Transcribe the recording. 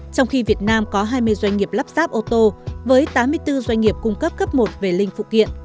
trong khi việt nam có hai mươi doanh nghiệp lắp ráp ô tô với tám mươi bốn doanh nghiệp cung cấp cấp một về linh phụ kiện